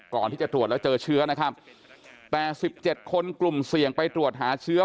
ก่อนที่จะตรวจแล้วเจอเชื้อนะครับแต่๑๗คนกลุ่มเสี่ยงไปตรวจหาเชื้อ